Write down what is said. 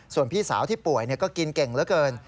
ส่วนพี่สาวที่ป่วยก็กินเก่งเหลือเกิน